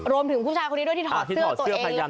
รวมถึงผู้ชายคนนี้ด้วยที่ถอดเสื้อตัวเอง